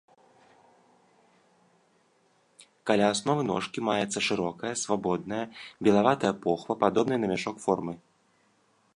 Каля асновы ножкі маецца шырокая, свабодная, белаватая похва падобнай на мяшок формы.